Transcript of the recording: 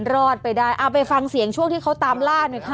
รอดไปได้เอาไปฟังเสียงช่วงที่เขาตามล่าหน่อยค่ะ